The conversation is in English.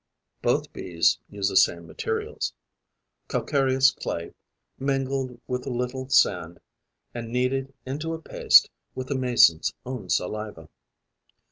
Both Bees use the same materials: calcareous clay, mingled with a little sand and kneaded into a paste with the mason's own saliva.